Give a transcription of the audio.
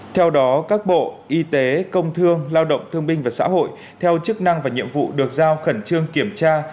theo đó các bộ y tế công thương lao động thương binh và xã hội theo chức năng và nhiệm vụ được giao khẩn trương kiểm tra